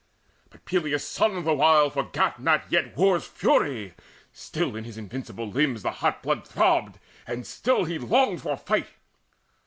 But Peleus' son the while forgat not yet War's fury: still in his invincible limbs The hot blood throbbed, and still he longed for fight.